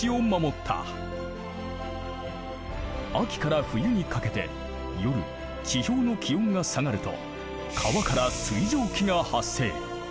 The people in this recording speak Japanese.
秋から冬にかけて夜地表の気温が下がると川から水蒸気が発生。